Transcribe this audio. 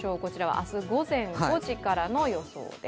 明日午前５時からの予想です。